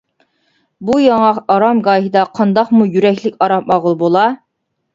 بۇ ياڭاق ئارامگاھىدا قانداقمۇ يۈرەكلىك ئارام ئالغىلى بولا.